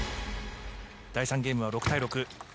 第３ゲームは６対６。